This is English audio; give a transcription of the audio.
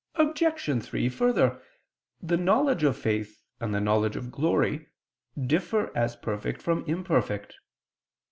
Obj. 3: Further, the knowledge of faith and the knowledge of glory differ as perfect from imperfect.